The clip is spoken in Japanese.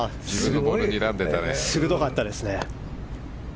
鋭かったですね。